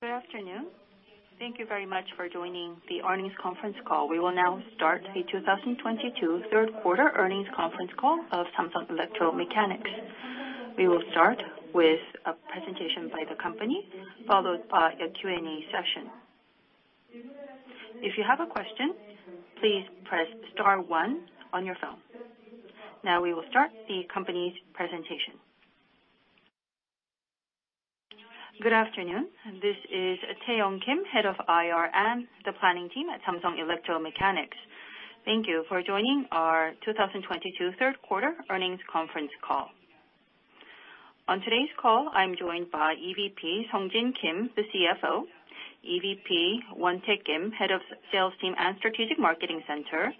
Good afternoon. Thank you very much for joining the earnings conference call. We will now start the 2022 third quarter earnings conference call of Samsung Electro-Mechanics. We will start with a presentation by the company, followed by a Q&A session. If you have a question, please press star one on your phone. Now we will start the company's presentation. Good afternoon. This is Tae-young Kim, Head of IR and the Planning Team at Samsung Electro-Mechanics. Thank you for joining our 2022 third quarter earnings conference call. On today's call, I'm joined by EVP Sungjin Kim, the CFO, EVP Wontaek Kim, Head of Sales Team and Strategic Marketing Center,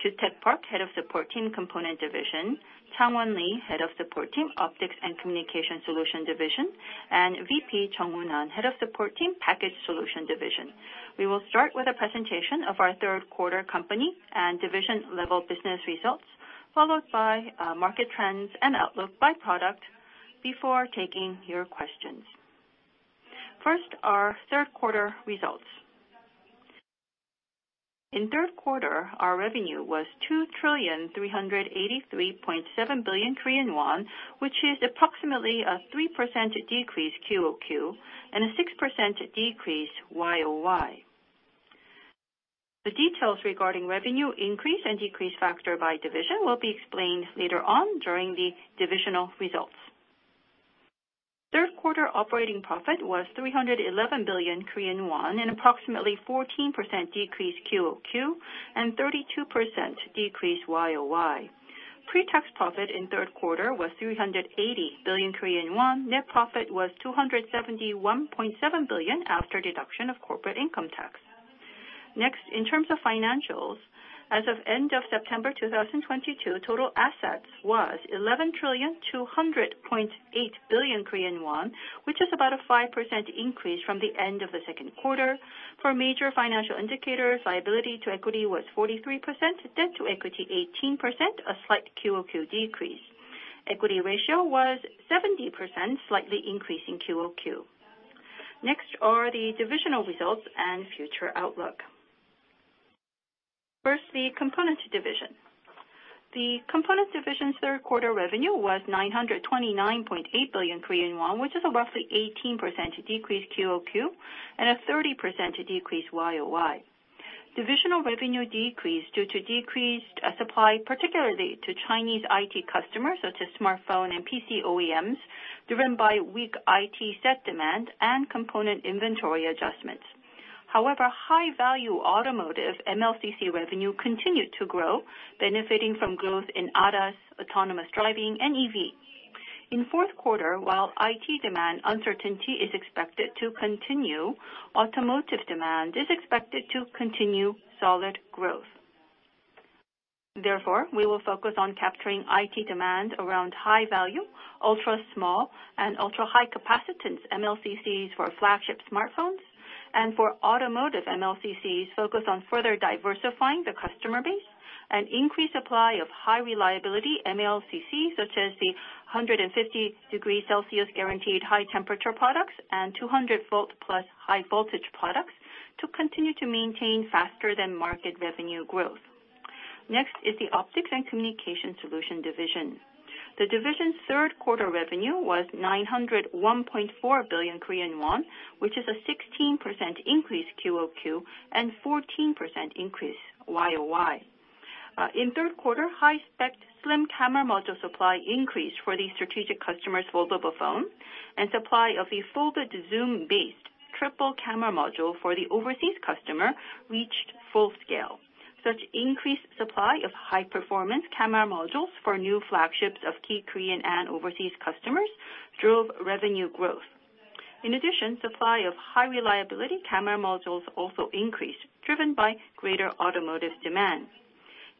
Kyu-Taeck Park, Head of Support Team, Component Division, Chang-Won Lee, Head of Support Team, Optics and Communication Solution Division, and VP Jungwoon Nam, Head of Support Team, Package Solution Division. We will start with a presentation of our third quarter company and division level business results, followed by market trends and outlook by product before taking your questions. First, our third quarter results. In third quarter, our revenue was 2.3837 trillion, which is approximately a 3% decrease QoQ and a 6% decrease YoY. The details regarding revenue increase and decrease factor by division will be explained later on during the divisional results. Third quarter operating profit was 311 billion Korean won, an approximately 14% decrease QoQ and 32% decrease YoY. Pre-tax profit in third quarter was 380 billion Korean won. Net profit was 271.7 billion after deduction of corporate income tax. Next, in terms of financials, as of end of September 2022, total assets was 11.2008 trillion, which is about a 5% increase from the end of the second quarter. For major financial indicators, liability to equity was 43%, debt to equity 18%, a slight QoQ decrease. Equity ratio was 70%, slightly increase in QoQ. Next are the divisional results and future outlook. First, the components division. The components division's third quarter revenue was 929.8 billion Korean won, which is a roughly 18% decrease QoQ and a 30% decrease YoY. Divisional revenue decreased due to decreased supply, particularly to Chinese IT customers such as smartphone and PC OEMs, driven by weak IT sector demand and component inventory adjustments. However, high-value automotive MLCC revenue continued to grow, benefiting from growth in ADAS, autonomous driving and EV. In fourth quarter, while IT demand uncertainty is expected to continue, automotive demand is expected to continue solid growth. Therefore, we will focus on capturing IT demand around high-value, ultra-small and ultra-high capacitance MLCCs for flagship smartphones. For automotive MLCCs, focus on further diversifying the customer base and increase supply of high-reliability MLCC, such as the 150 degrees Celsius guaranteed high-temperature products and 200 volt plus high-voltage products to continue to maintain faster than market revenue growth. Next is the optics and communication solution division. The division's third quarter revenue was 901.4 billion Korean won, which is a 16% increase QoQ and 14% increase YoY. In third quarter, high-spec slim camera module supply increased for the strategic customers' foldable phone and supply of a folded zoom-based triple camera module for the overseas customer reached full scale. Such increased supply of high-performance camera modules for new flagships of key Korean and overseas customers drove revenue growth. In addition, supply of high-reliability camera modules also increased, driven by greater automotive demand.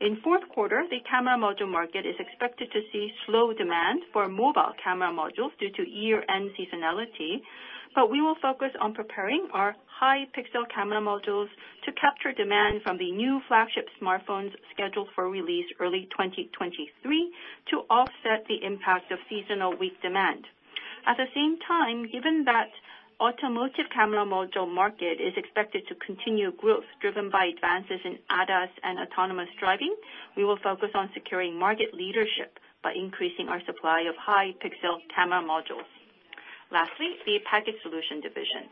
In fourth quarter, the camera module market is expected to see slow demand for mobile camera modules due to year-end seasonality. We will focus on preparing our high-pixel camera modules to capture demand from the new flagship smartphones scheduled for release early 2023 to offset the impact of seasonal weak demand. At the same time, given that automotive camera module market is expected to continue growth driven by advances in ADAS and autonomous driving, we will focus on securing market leadership by increasing our supply of high-pixel camera modules. Lastly, the package solution division.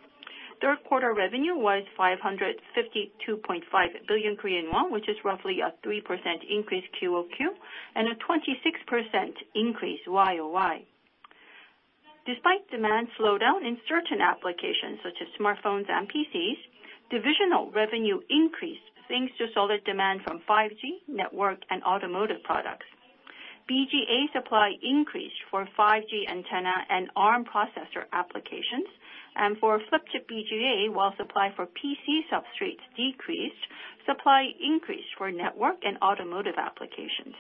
Third quarter revenue was 552.5 billion Korean won, which is roughly a 3% increase QoQ and a 26% increase YoY. Despite demand slowdown in certain applications such as smartphones and PCs, divisional revenue increased, thanks to solid demand from 5G network and automotive products. BGA supply increased for 5G antenna and ARM processor applications. For Flip-Chip BGA, while supply for PC substrates decreased, supply increased for network and automotive applications.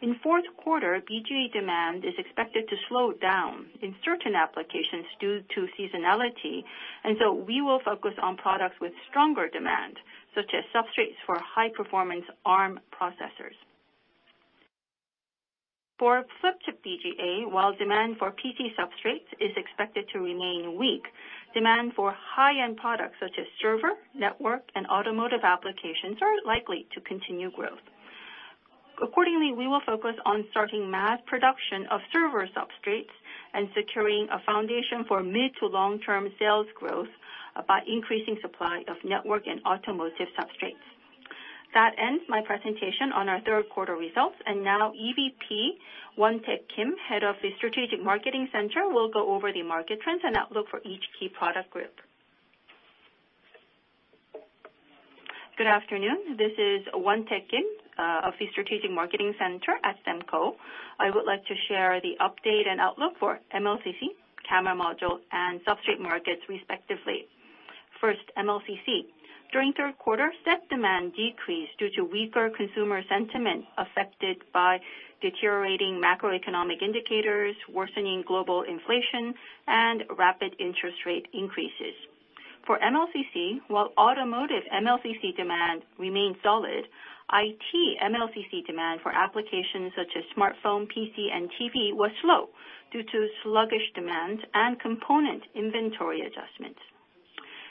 In fourth quarter, BGA demand is expected to slow down in certain applications due to seasonality, and so we will focus on products with stronger demand, such as substrates for high-performance ARM processors. For Flip-Chip BGA, while demand for PC substrates is expected to remain weak, demand for high-end products such as server, network, and automotive applications are likely to continue growth. Accordingly, we will focus on starting mass production of server substrates and securing a foundation for mid to long-term sales growth by increasing supply of network and automotive substrates. That ends my presentation on our third quarter results. Now EVP Wontaek Kim, Head of the Strategic Marketing Center, will go over the market trends and outlook for each key product group. Good afternoon. This is Wontaek Kim, of the Strategic Marketing Center at SEMCO. I would like to share the update and outlook for MLCC, camera module, and substrate markets respectively. First, MLCC. During third quarter, set demand decreased due to weaker consumer sentiment affected by deteriorating macroeconomic indicators, worsening global inflation, and rapid interest rate increases. For MLCC, while automotive MLCC demand remained solid, IT MLCC demand for applications such as smartphone, PC, and TV was slow due to sluggish demand and component inventory adjustments.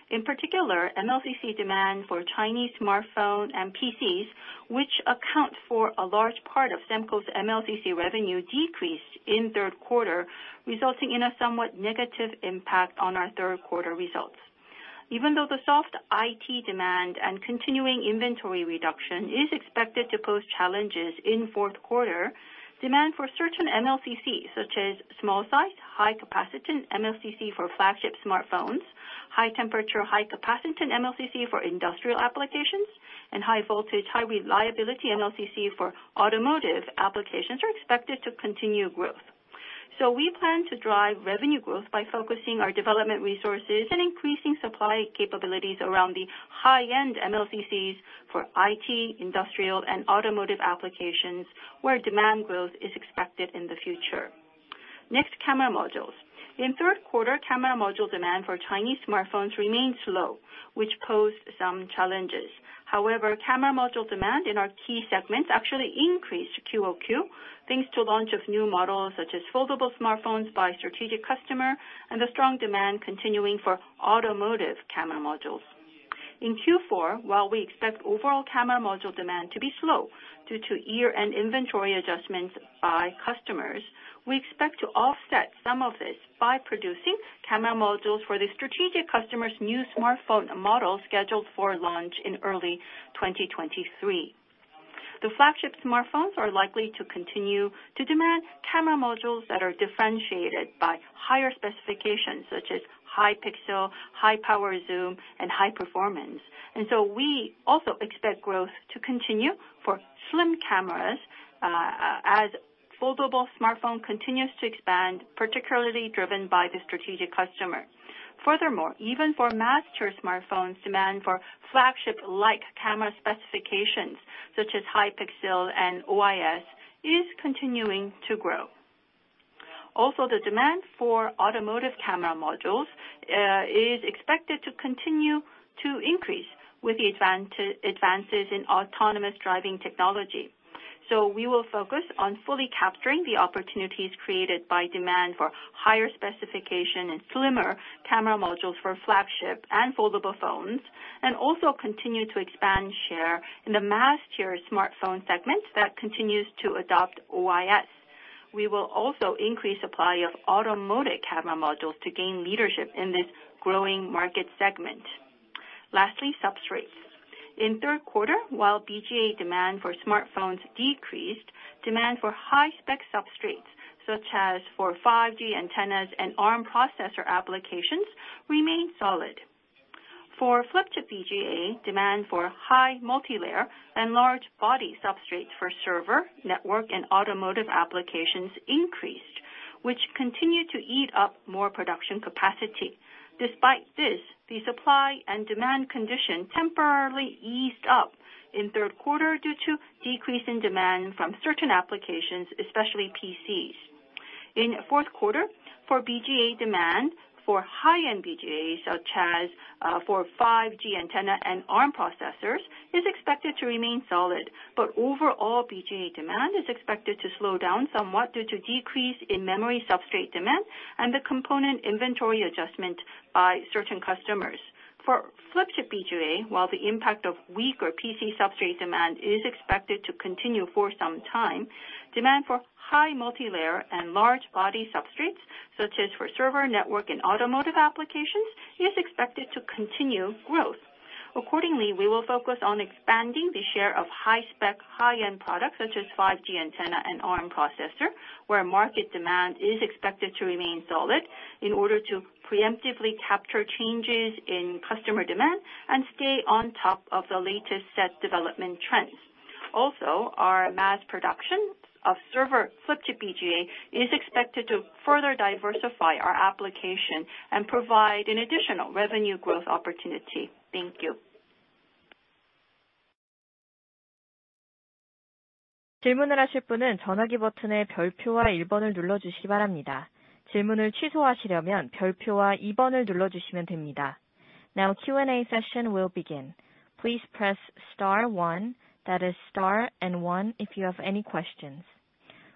In particular, MLCC demand for Chinese smartphone and PCs, which account for a large part of SEMCO's MLCC revenue, decreased in third quarter, resulting in a somewhat negative impact on our third quarter results. Even though the soft IT demand and continuing inventory reduction is expected to pose challenges in fourth quarter, demand for certain MLCC, such as small-size, high-capacitance MLCC for flagship smartphones, high-temperature, high-capacitance MLCC for industrial applications, and high-voltage, high-reliability MLCC for automotive applications are expected to continue growth. We plan to drive revenue growth by focusing our development resources and increasing supply capabilities around the high-end MLCCs for IT, industrial, and automotive applications where demand growth is expected in the future. Next, camera modules. In third quarter, camera module demand for Chinese smartphones remained slow, which posed some challenges. However, camera module demand in our key segments actually increased QoQ, thanks to launch of new models such as foldable smartphones by strategic customer and the strong demand continuing for automotive camera modules. In Q4, while we expect overall camera module demand to be slow due to year-end inventory adjustments by customers, we expect to offset some of this by producing camera modules for the strategic customer's new smartphone model scheduled for launch in early 2023. The flagship smartphones are likely to continue to demand camera modules that are differentiated by higher specifications such as high pixel, high power zoom, and high performance. We also expect growth to continue for slim cameras, as foldable smartphone continues to expand, particularly driven by the strategic customer. Furthermore, even for mass tier smartphones, demand for flagship-like camera specifications such as high pixel and OIS is continuing to grow. Also, the demand for automotive camera modules is expected to continue to increase with the advances in autonomous driving technology. We will focus on fully capturing the opportunities created by demand for higher specification and slimmer camera modules for flagship and foldable phones, and also continue to expand share in the mass tier smartphone segment that continues to adopt OIS. We will also increase supply of automotive camera modules to gain leadership in this growing market segment. Lastly, substrates. In third quarter, while BGA demand for smartphones decreased, demand for high-spec substrates, such as for 5G antennas and ARM processor applications, remained solid. For Flip-Chip BGA, demand for high multilayer and large body substrates for server, network, and automotive applications increased, which continued to eat up more production capacity. Despite this, the supply and demand condition temporarily eased up in third quarter due to decrease in demand from certain applications, especially PCs. In fourth quarter, for BGA demand for high-end BGAs, such as for 5G antenna and ARM processors, is expected to remain solid. Overall BGA demand is expected to slow down somewhat due to decrease in memory substrate demand and the component inventory adjustment by certain customers. For Flip-Chip BGA, while the impact of weaker PC substrate demand is expected to continue for some time, demand for high multilayer and large body substrates, such as for server, network, and automotive applications, is expected to continue growth. Accordingly, we will focus on expanding the share of high-spec, high-end products such as 5G antenna and ARM processor, where market demand is expected to remain solid in order to preemptively capture changes in customer demand and stay on top of the latest set development trends. Also, our mass production of server Flip-Chip BGA is expected to further diversify our application and provide an additional revenue growth opportunity. Thank you. Now Q&A session will begin. Please press star one, that is star and one, if you have any questions.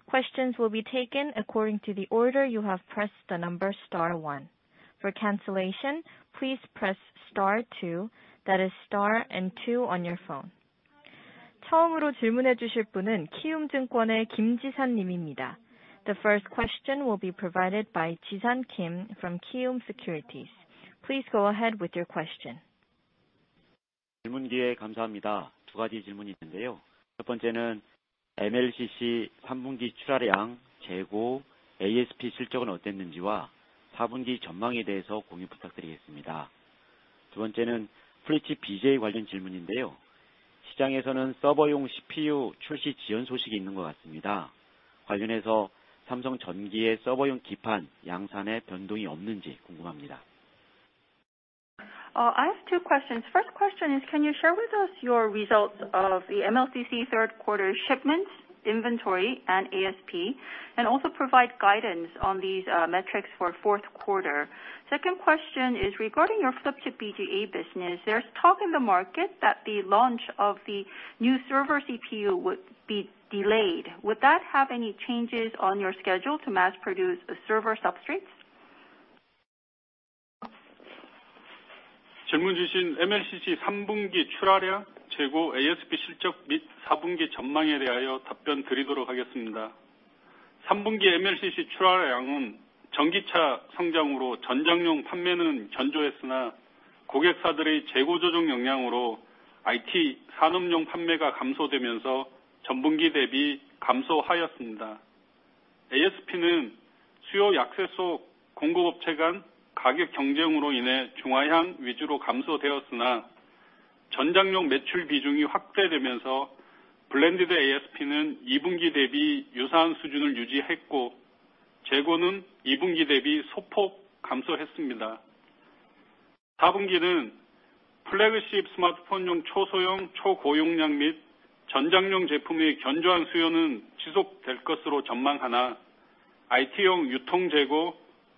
Questions will be taken according to the order you have pressed the number star one. For cancellation, please press star two, that is star and two on your phone. The first question will be provided by Jisan Kim from KB Securities. Please go ahead with your question. I have two questions. First question is, can you share with us your results of the MLCC third quarter shipments, inventory and ASP and also provide guidance on these, metrics for fourth quarter? Second question is regarding your Flip-Chip BGA business. There's talk in the market that the launch of the new server CPU would be delayed. Would that have any changes on your schedule to mass produce server substrates?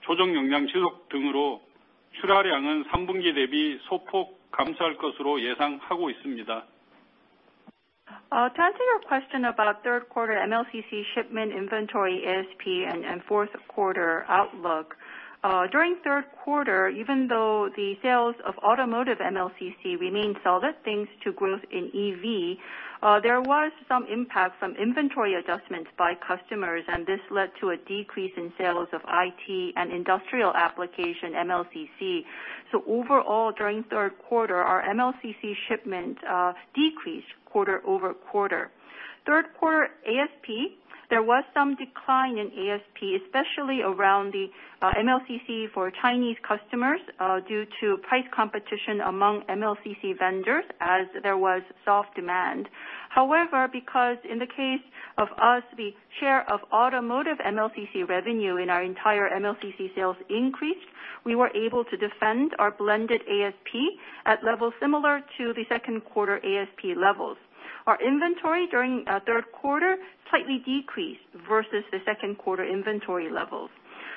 To answer your question about third quarter MLCC shipment inventory ASP and fourth quarter outlook. During third quarter, even though the sales of automotive MLCC remained solid thanks to growth in EV, there was some impact from inventory adjustments by customers, and this led to a decrease in sales of IT and industrial application MLCC. Overall, during third quarter, our MLCC shipment decreased quarter-over-quarter. Third quarter ASP, there was some decline in ASP, especially around the MLCC for Chinese customers due to price competition among MLCC vendors as there was soft demand. However, because in the case of us, the share of automotive MLCC revenue in our entire MLCC sales increased, we were able to defend our blended ASP at levels similar to the second quarter ASP levels. Our inventory during third quarter slightly decreased versus the second quarter inventory levels.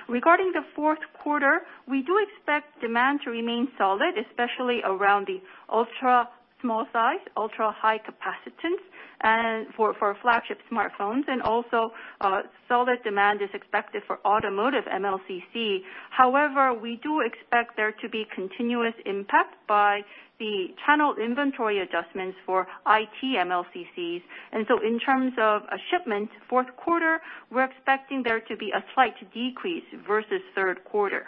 Regarding the fourth quarter, we do expect demand to remain solid, especially around the ultra small size, ultra high capacitance and for flagship smartphones and also solid demand is expected for automotive MLCC. However, we do expect there to be continuous impact by the channel inventory adjustments for IT MLCCs. In terms of shipments fourth quarter, we're expecting there to be a slight decrease versus third quarter.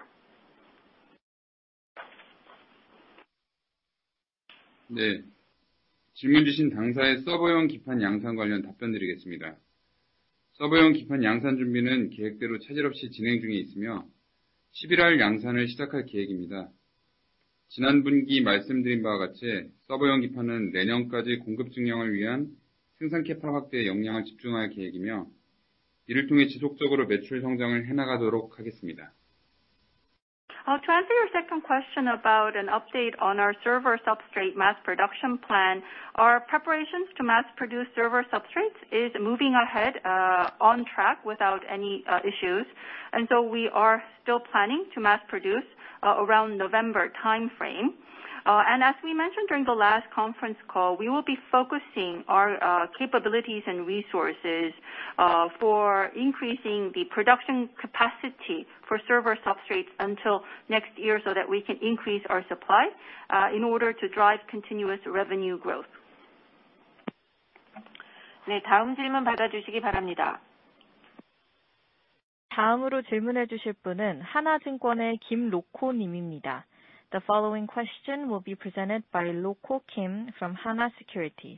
The following question will be presented by Rok-ho Kim from Hana Securities.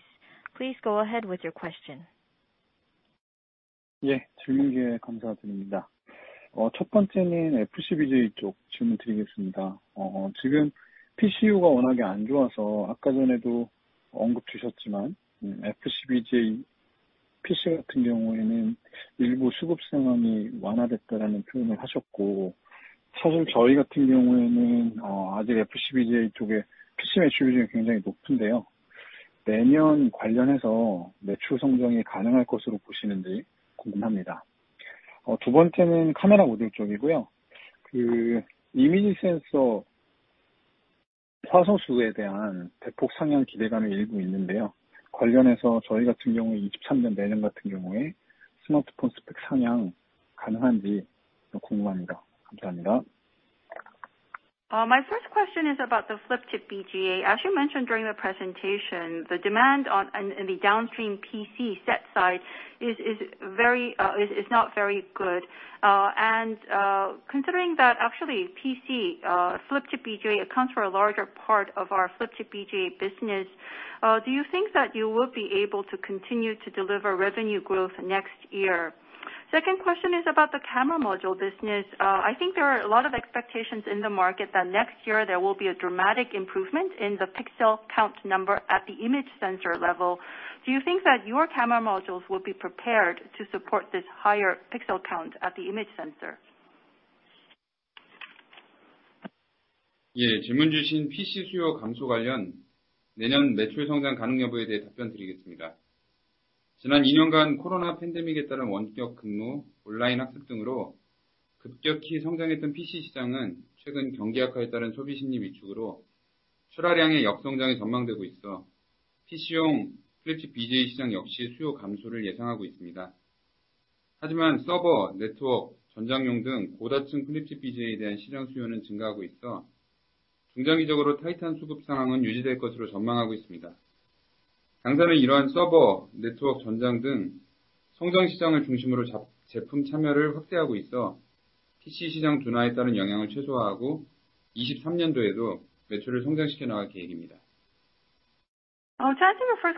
Please go ahead with your question. Yeah. My first question is about the Flip-Chip BGA. As you mentioned during the presentation, the demand in the downstream PC set side is not very good. Considering that actually PC Flip-Chip BGA accounts for a larger part of our Flip-Chip BGA business, do you think that you will be able to continue to deliver revenue growth next year? Second question is about the camera module business. I think there are a lot of expectations in the market that next year there will be a dramatic improvement in the pixel count number at the image sensor level. Do you think that your camera modules will be prepared to support this higher pixel count at the image sensor? Yeah. To answer your first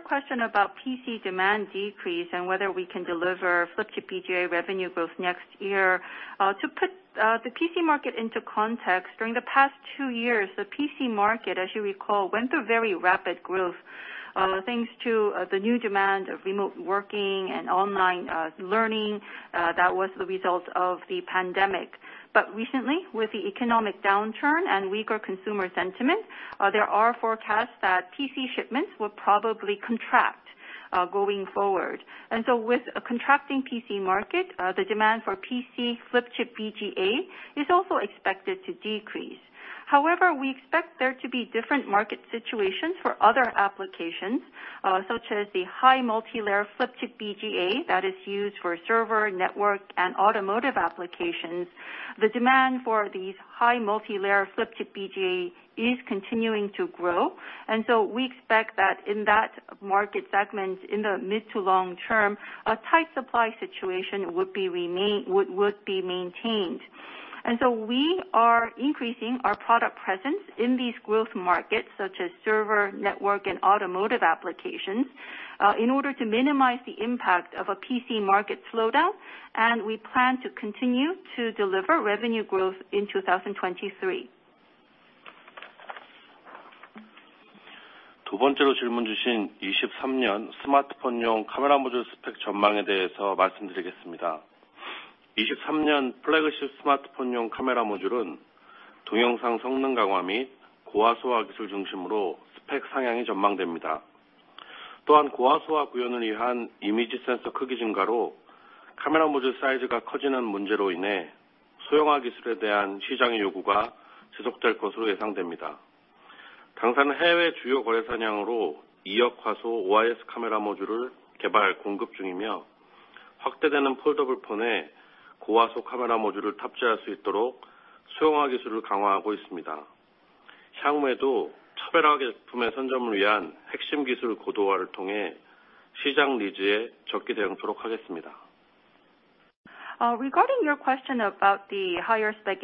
question about PC demand decrease and whether we can deliver Flip-Chip BGA revenue growth next year, to put the PC market into context, during the past two years, the PC market, as you recall, went through very rapid growth, thanks to the new demand of remote working and online learning that was the result of the pandemic. Recently, with the economic downturn and weaker consumer sentiment, there are forecasts that PC shipments will probably contract going forward. With a contracting PC market, the demand for PC Flip-Chip BGA is also expected to decrease. However, we expect there to be different market situations for other applications, such as the high multilayer Flip-Chip BGA that is used for server, network and automotive applications. The demand for these high multilayer Flip-Chip BGA is continuing to grow, and we expect that in that market segment, in the mid to long term, a tight supply situation would be maintained. We are increasing our product presence in these growth markets, such as server, network and automotive applications, in order to minimize the impact of a PC market slowdown. We plan to continue to deliver revenue growth in 2023. Regarding your question about the higher spec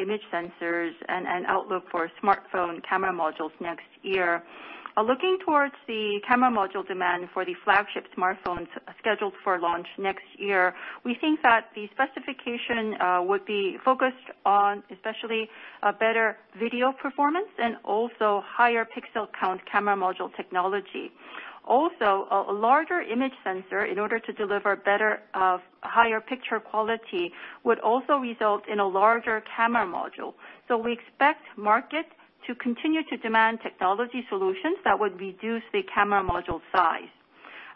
image sensors and outlook for smartphone camera modules next year. Looking towards the camera module demand for the flagship smartphones scheduled for launch next year, we think that the specification would be focused on especially a better video performance and also higher pixel count camera module technology. A larger image sensor in order to deliver better, higher picture quality, would also result in a larger camera module. We expect markets to continue to demand technology solutions that would reduce the camera module size.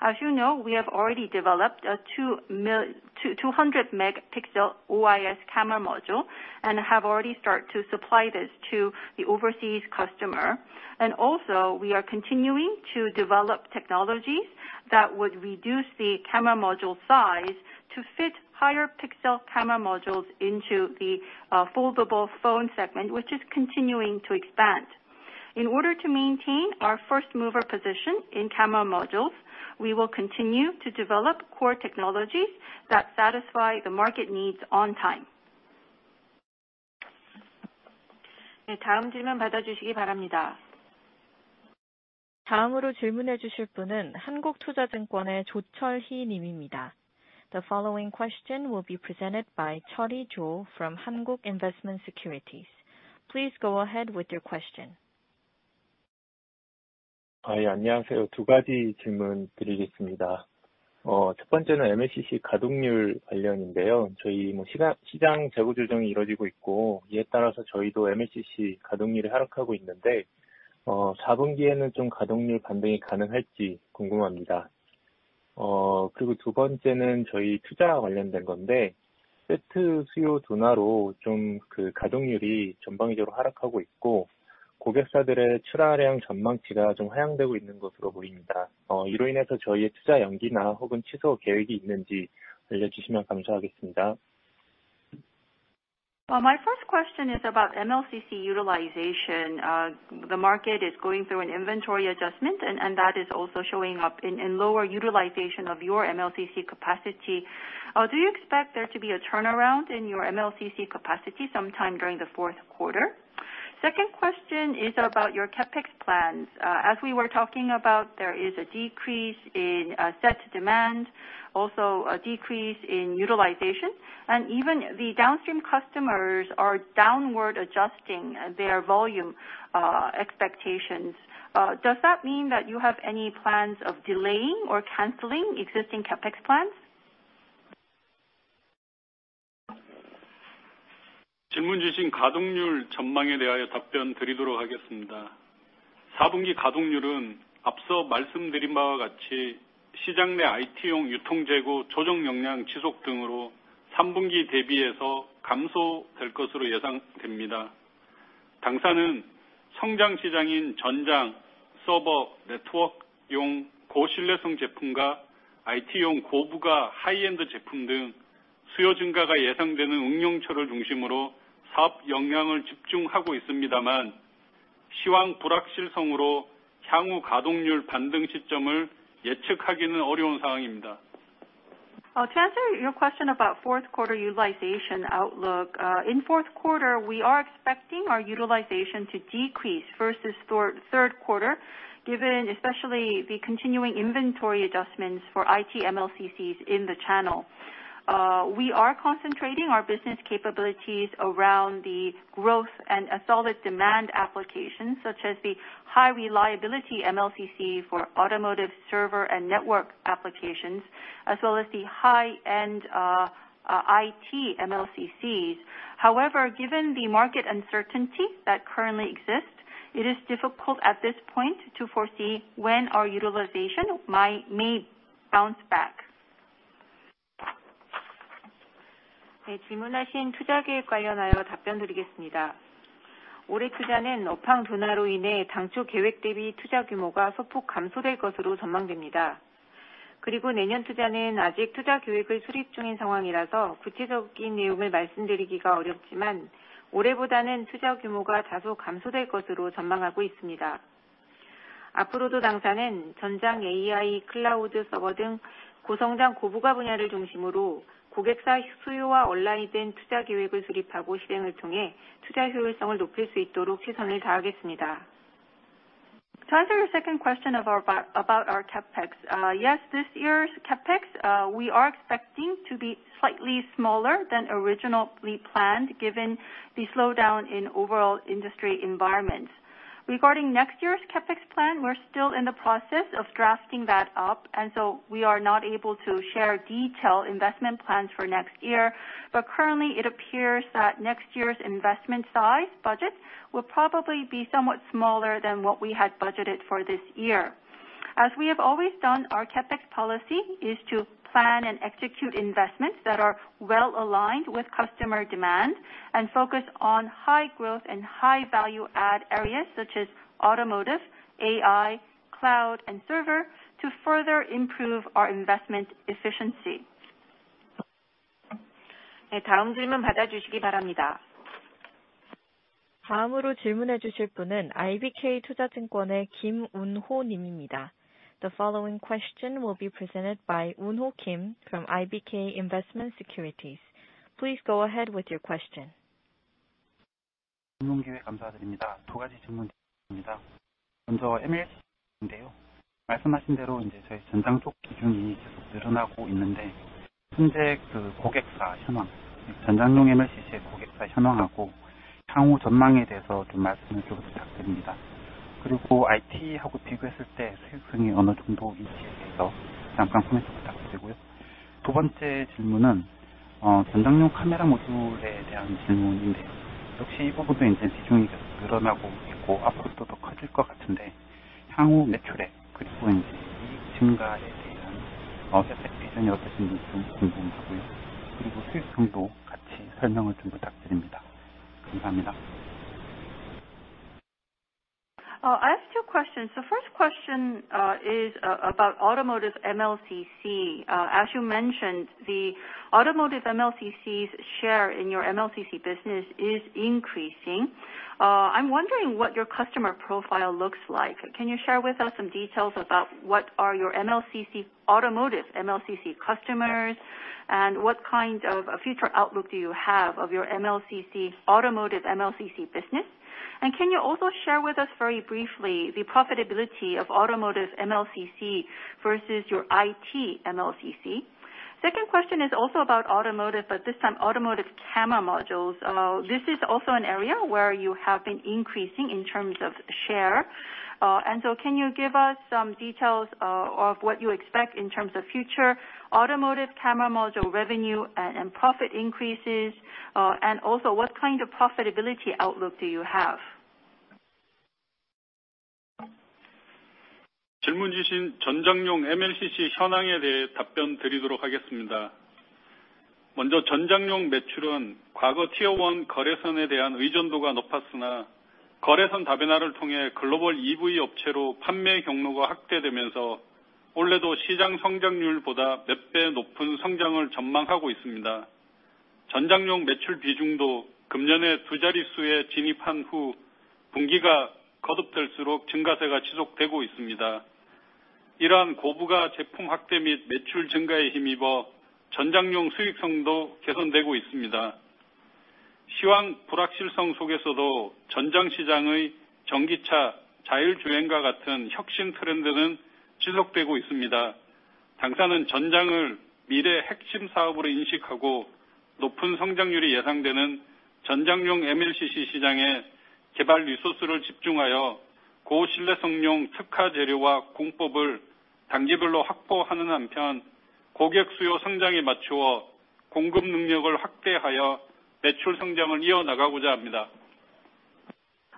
As you know, we have already developed a 200-megapixel OIS camera module and have already start to supply this to the overseas customer. Also, we are continuing to develop technologies that would reduce the camera module size to fit higher pixel camera modules into the foldable phone segment, which is continuing to expand. In order to maintain our first mover position in camera modules, we will continue to develop core technologies that satisfy the market needs on time. The following question will be presented by Choi, Soon Young from Hankuk Investment & Securities. Please go ahead with your question. 첫 번째는 MLCC 가동률 관련인데요. 시장 재고 조정이 이루어지고 있고, 이에 따라서 MLCC 가동률이 하락하고 있는데, 4분기에는 가동률 반등이 가능할지 궁금합니다. 두 번째는 투자와 관련된 건데, 세트 수요 둔화로 가동률이 전방위적으로 하락하고 있고, 고객사들의 출하량 전망치가 하향되고 있는 것으로 보입니다. 이로 인해서 투자 연기나 혹은 취소 계획이 있는지 알려주시면 감사하겠습니다. My first question is about MLCC utilization. The market is going through an inventory adjustment, and that is also showing up in lower utilization of your MLCC capacity. Do you expect there to be a turnaround in your MLCC capacity sometime during the fourth quarter? Second question is about your CapEx plans. As we were talking about, there is a decrease in set demand, also a decrease in utilization, and even the downstream customers are downward adjusting their volume expectations. Does that mean that you have any plans of delaying or canceling existing CapEx plans? 질문 주신 가동률 전망에 대하여 답변드리도록 하겠습니다. 사분기 가동률은 앞서 말씀드린 바와 같이 시장 내 IT용 유통재고 조정 역량 지속 등으로 삼분기 대비해서 감소될 것으로 예상됩니다. 당사는 성장 시장인 전장, 서버, 네트워크용 고신뢰성 제품과 IT용 고부가 하이엔드 제품 등 수요 증가가 예상되는 응용처를 중심으로 사업 역량을 집중하고 있습니다만, 시황 불확실성으로 향후 가동률 반등 시점을 예측하기는 어려운 상황입니다. To answer your question about fourth quarter utilization outlook. In fourth quarter, we are expecting our utilization to decrease versus third quarter given especially the continuing inventory adjustments for IT MLCCs in the channel. We are concentrating our business capabilities around the growth and a solid demand applications such as the high reliability MLCC for automotive server and network applications, as well as the high-end IT MLCCs. However, given the market uncertainty that currently exists, it is difficult at this point to foresee when our utilization might bounce back. 네, 질문하신 투자 계획 관련하여 답변드리겠습니다. 올해 투자는 업황 둔화로 인해 당초 계획 대비 투자 규모가 소폭 감소될 것으로 전망됩니다. 내년 투자는 아직 투자 계획을 수립 중인 상황이라서 구체적인 내용을 말씀드리기가 어렵지만, 올해보다는 투자 규모가 다소 감소될 것으로 전망하고 있습니다. 앞으로도 당사는 전장, AI, 클라우드 서버 등 고성장 고부가 분야를 중심으로 고객사 수요와 얼라인된 투자 계획을 수립하고 실행을 통해 투자 효율성을 높일 수 있도록 최선을 다하겠습니다. To answer your second question about our CapEx. Yes, this year's CapEx we are expecting to be slightly smaller than originally planned given the slowdown in overall industry environment. Regarding next year's CapEx plan, we're still in the process of drafting that up, and so we are not able to share detailed investment plans for next year. Currently it appears that next year's investment size budget will probably be somewhat smaller than what we had budgeted for this year. As we have always done, our CapEx policy is to plan and execute investments that are well aligned with customer demand and focus on high growth and high value add areas such as automotive, AI, cloud, and server to further improve our investment efficiency. 네, 다음 질문 받아주시기 바랍니다. 다음으로 질문해 주실 분은 IBK 투자증권의 김운호 님입니다. The following question will be presented by Un-ho Kim from IBK Investment & Securities. Please go ahead with your question. 질문 기회 감사드립니다. 두 가지 질문 드리겠습니다. 먼저 MLCC인데요. 말씀하신 대로 이제 저희 전장 쪽 비중이 계속 늘어나고 있는데 현재 그 고객사 현황, 전장용 MLCC의 고객사 현황하고 향후 전망에 대해서 좀 말씀을 좀 부탁드립니다. 그리고 IT하고 비교했을 때 수익성이 어느 정도인지에 대해서 잠깐 코멘트 부탁드리고요. 두 번째 질문은 전장용 카메라 모듈에 대한 질문인데요. 역시 이 부분도 이제 비중이 계속 늘어나고 있고 앞으로도 더 커질 것 같은데, 향후 매출액 그리고 이제 이익 증가에 대한 CapEx 비전이 어떠신지 좀 궁금하고요. 그리고 수익성도 같이 설명을 좀 부탁드립니다. 감사합니다. I have two questions. The first question is about automotive MLCC. As you mentioned, the automotive MLCCs share in your MLCC business is increasing. I'm wondering what your customer profile looks like. Can you share with us some details about what are your MLCC, automotive MLCC customers, and what kind of a future outlook do you have of your MLCC, automotive MLCC business? And can you also share with us very briefly the profitability of automotive MLCC versus your IT MLCC? Second question is also about automotive, but this time automotive camera modules. This is also an area where you have been increasing in terms of share. Can you give us some details of what you expect in terms of future automotive camera module revenue and profit increases, and also what kind of profitability outlook do you have?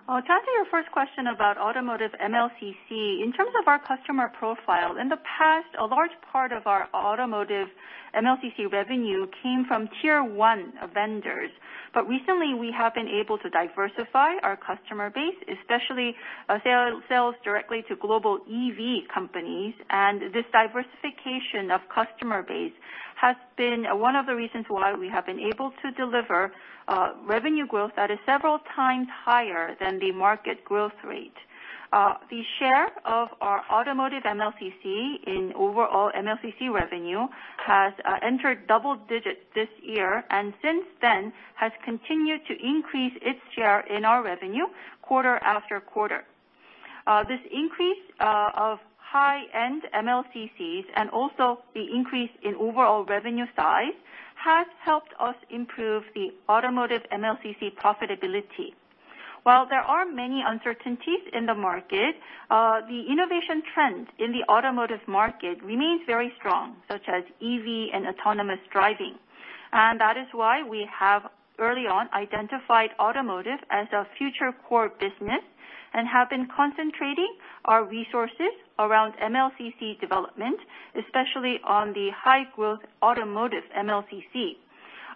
To answer your first question about automotive MLCC, in terms of our customer profile, in the past, a large part of our automotive MLCC revenue came from tier one vendors. Recently we have been able to diversify our customer base, especially, sales directly to global EV companies. This diversification of customer base has been one of the reasons why we have been able to deliver revenue growth that is several times higher than the market growth rate. The share of our automotive MLCC in overall MLCC revenue has entered double digits this year and since then has continued to increase its share in our revenue quarter after quarter. This increase of high-end MLCCs and also the increase in overall revenue size has helped us improve the automotive MLCC profitability. While there are many uncertainties in the market, the innovation trend in the automotive market remains very strong, such as EV and autonomous driving. That is why we have early on identified automotive as our future core business and have been concentrating our resources around MLCC development, especially on the high growth automotive MLCC.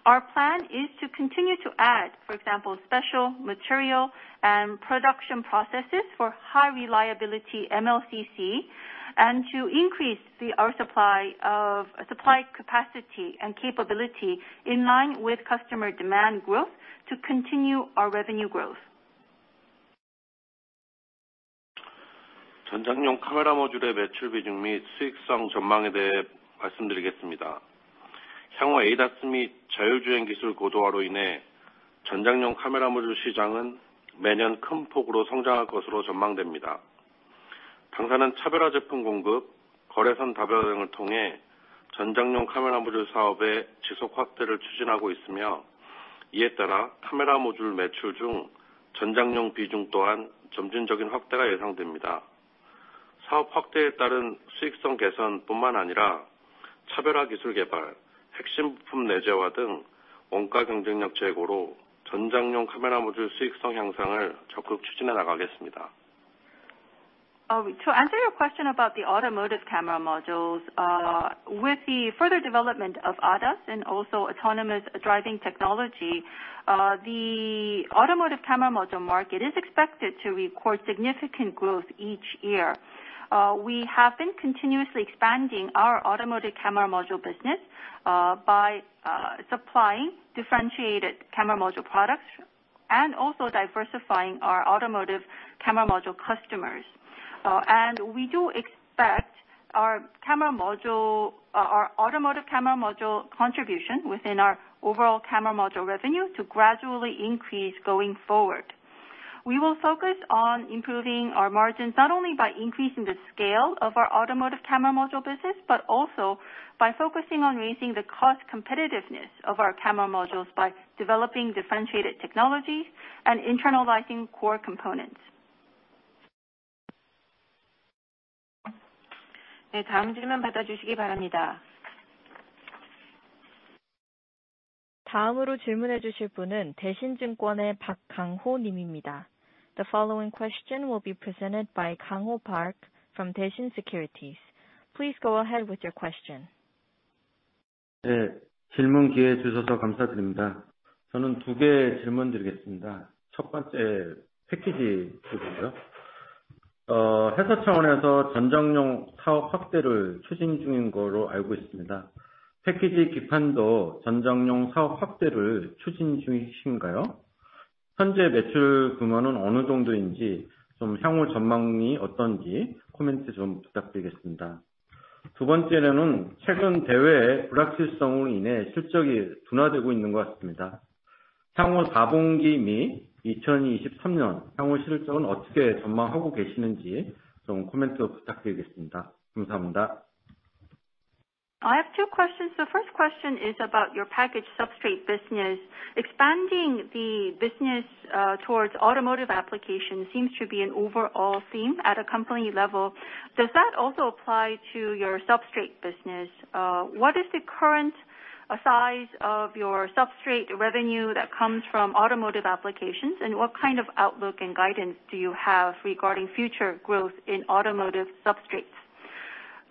Our plan is to continue to add, for example, special material and production processes for high reliability MLCC and to increase our supply of supply capacity and capability in line with customer demand growth to continue our revenue growth. To answer your question about the automotive camera modules, with the further development of ADAS and also autonomous driving technology, the automotive camera module market is expected to record significant growth each year. We have been continuously expanding our automotive camera module business by supplying differentiated camera module products and also diversifying our automotive camera module customers. We do expect our camera module, our automotive camera module contribution within our overall camera module revenue to gradually increase going forward. We will focus on improving our margins, not only by increasing the scale of our automotive camera module business, but also by focusing on raising the cost competitiveness of our camera modules by developing differentiated technologies and internalizing core components. The following question will be presented by Park Kang-ho from Daishin Securities. Please go ahead with your question. I have two questions. The first question is about your package substrate business. Expanding the business towards automotive applications seems to be an overall theme at a company level. Does that also apply to your substrate business? What is the current size of your substrate revenue that comes from automotive applications? And what kind of outlook and guidance do you have regarding future growth in automotive substrates?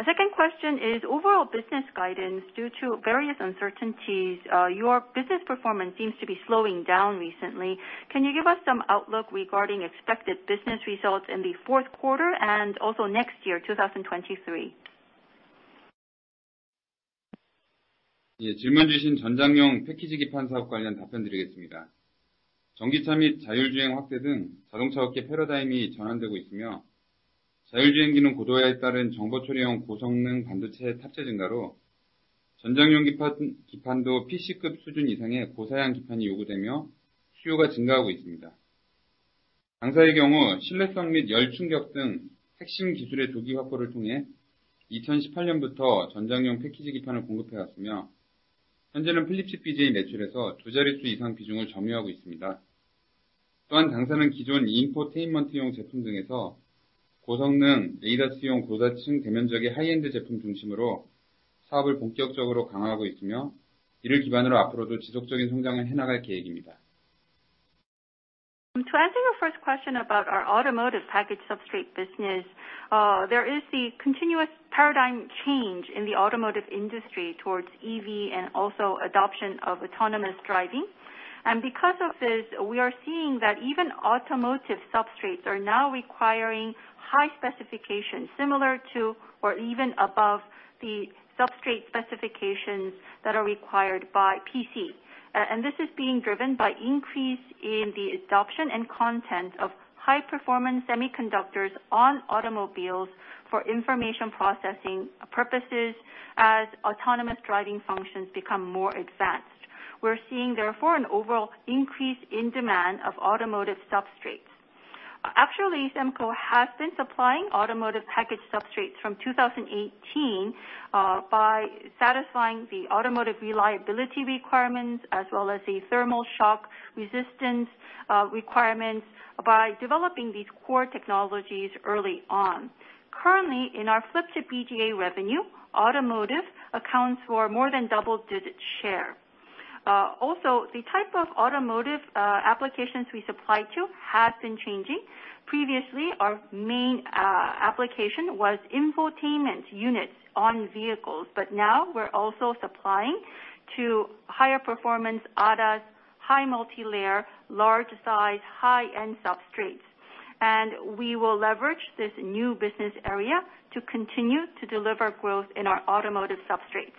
The second question is overall business guidance. Due to various uncertainties, your business performance seems to be slowing down recently. Can you give us some outlook regarding expected business results in the fourth quarter and also next year, 2023? To answer your first question about our automotive package substrate business, there is the continuous paradigm change in the automotive industry towards EV and also adoption of autonomous driving. Because of this, we are seeing that even automotive substrates are now requiring high specifications, similar to or even above the substrate specifications that are required by PC. This is being driven by increase in the adoption and content of high performance semiconductors on automobiles for information processing purposes as autonomous driving functions become more advanced. We're seeing therefore an overall increase in demand of automotive substrates. Actually, SEMCO has been supplying automotive package substrates from 2018 by satisfying the automotive reliability requirements as well as the thermal shock resistance requirements by developing these core technologies early on. Currently, in our Flip-Chip BGA revenue, automotive accounts for more than double-digit share. Also the type of automotive applications we supply to has been changing. Previously, our main application was infotainment units on vehicles, but now we're also supplying to higher performance ADAS, high multilayer, large size, high-end substrates. We will leverage this new business area to continue to deliver growth in our automotive substrates.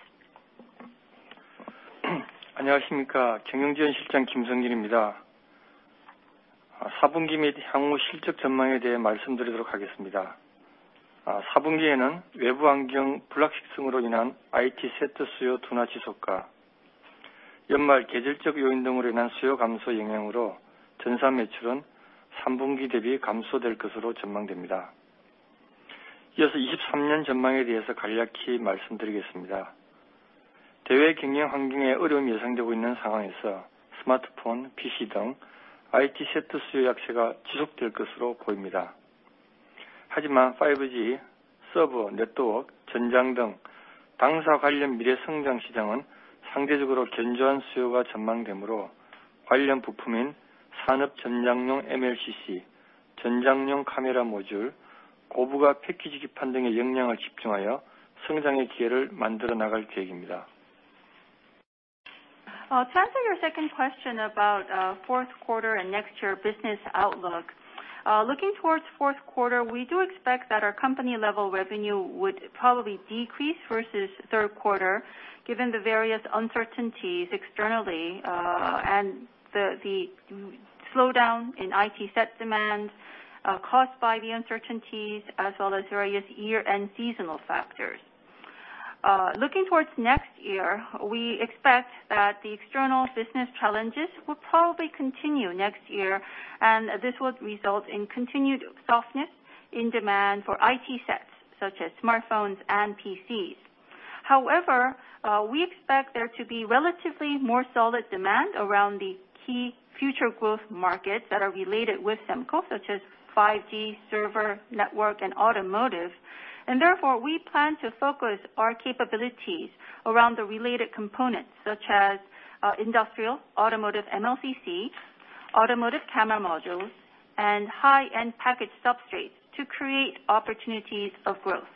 To answer your second question about fourth quarter and next year business outlook. Looking towards fourth quarter, we do expect that our company level revenue would probably decrease versus third quarter, given the various uncertainties externally, and the slowdown in IT set demand, caused by the uncertainties as well as various year-end seasonal factors. Looking towards next year, we expect that the external business challenges will probably continue next year, and this would result in continued softness in demand for IT sets, such as smartphones and PCs. However, we expect there to be relatively more solid demand around the key future growth markets that are related with SEMCO, such as 5G, server, network and automotive. Therefore, we plan to focus our capabilities around the related components such as industrial, automotive MLCC, automotive camera modules, and high-end package substrates to create opportunities of growth.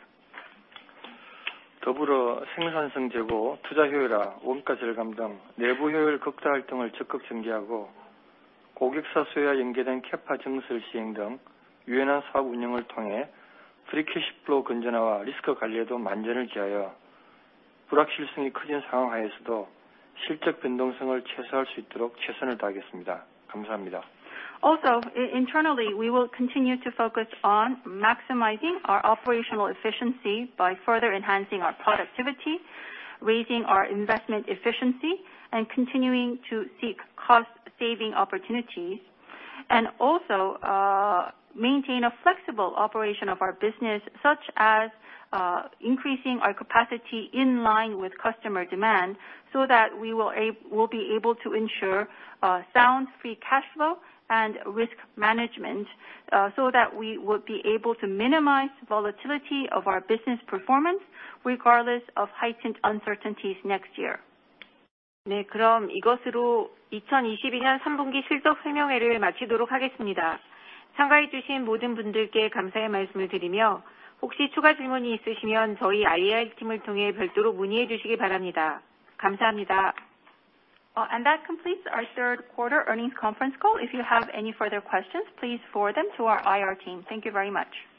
Also, internally, we will continue to focus on maximizing our operational efficiency by further enhancing our productivity, raising our investment efficiency, and continuing to seek cost saving opportunities. Also, maintain a flexible operation of our business, such as increasing our capacity in line with customer demand, so that we'll be able to ensure sound free cash flow and risk management, so that we would be able to minimize volatility of our business performance regardless of heightened uncertainties next year. That completes our third quarter earnings conference call. If you have any further questions, please forward them to our IR team. Thank you very much.